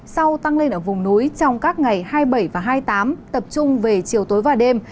sau tăng lên ở vùng núi trong các ngày hai mươi bảy và hai mươi tám tập trung về chiều tối và đêm